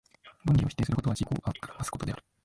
論理を否定することは、自己を暗ますことである。